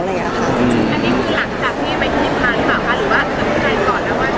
อันนี้คือหลังจากที่ไปคุยทางหรือว่าคุยกันก่อนแล้ว